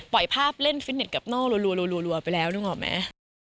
ภาพเล่นฟิตเน็ตกับโน่นรัวไปแล้วนึกออกไหม